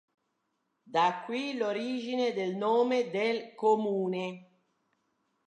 Da qui l'origine del nome del comune.